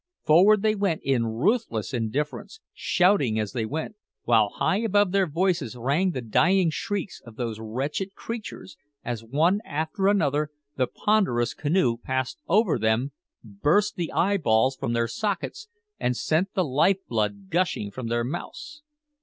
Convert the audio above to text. Forward they went in ruthless indifference, shouting as they went, while high above their voices rang the dying shrieks of those wretched creatures as, one after another, the ponderous canoe passed over them, burst the eyeballs from their sockets, and sent the life blood gushing from their mouths.